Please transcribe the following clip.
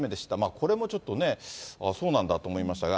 これもちょっとね、そうなんだと思いましたが。